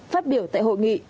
phát biểu tại hội nghị